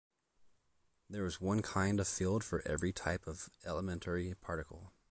There is one kind of field for every type of elementary particle.